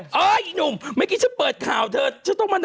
เฮ้ยหนุ่มเมื่อกี้ฉันเปิดข่าวเถอะ